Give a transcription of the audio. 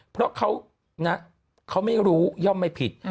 เพราะเขาไม่รู้ย่อมไม่ผิด